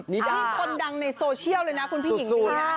นี่คนดังในโซเชียลเลยนะคุณพี่หญิงลี